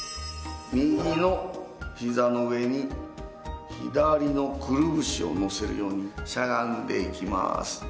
右の膝の上に左のくるぶしをのせるようにしゃがんでいきます。